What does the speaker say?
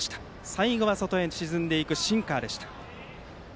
最後は外へ沈んでいくシンカーでした。